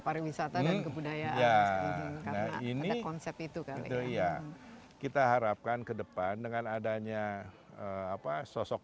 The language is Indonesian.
pariwisata dan kebudayaan ini konsep itu kali ya kita harapkan kedepan dengan adanya apa sosok